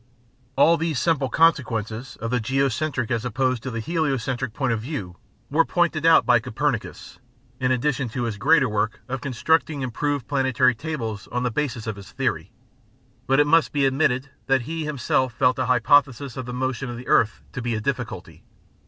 All these simple consequences of the geocentric as opposed to the heliocentric point of view were pointed out by Copernicus, in addition to his greater work of constructing improved planetary tables on the basis of his theory. But it must be admitted that he himself felt the hypothesis of the motion of the earth to be a difficulty.